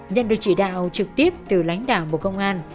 nhận được chỉ đạo trực tiếp từ lãnh đạo bộ công an